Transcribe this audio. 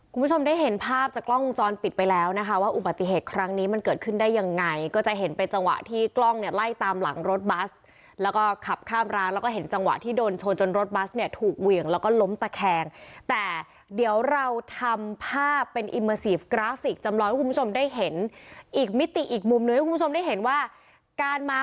คุณผู้ชมได้เห็นภาพจากกล้องวงจรปิดไปแล้วนะคะว่าอุบัติเหตุครั้งนี้มันเกิดขึ้นได้ยังไงก็จะเห็นเป็นจังหวะที่กล้องเนี่ยไล่ตามหลังรถบัสแล้วก็ขับข้ามรางแล้วก็เห็นจังหวะที่โดนชนจนรถบัสเนี่ยถูกเหวี่ยงแล้วก็ล้มตะแคงแต่เดี๋ยวเราทำภาพเป็นอิมเมอร์ซีฟกราฟิกจำลองให้คุณผู้ชมได้เห็นอีกมิติอีกมุมหนึ่งให้คุณผู้ชมได้เห็นว่าการมา